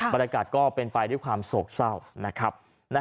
บรรยากาศก็เป็นไปด้วยความโศกเศร้านะครับ